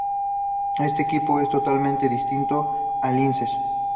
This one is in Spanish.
Este equipo es totalmente distinto a Linces.